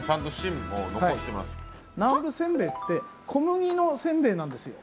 南部せんべいって小麦のせんべいなんですよ。